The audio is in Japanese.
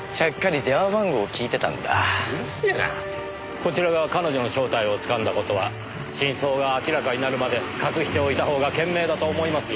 こちらが彼女の正体をつかんだ事は真相が明らかになるまで隠しておいた方が賢明だと思いますよ。